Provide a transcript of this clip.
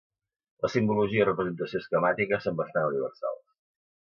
La simbologia i representació esquemàtica són bastant universals.